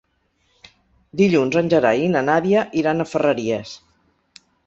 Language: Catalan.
Dilluns en Gerai i na Nàdia iran a Ferreries.